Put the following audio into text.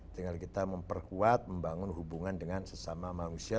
tinggal kita memperkuat membangun hubungan dengan sesama manusia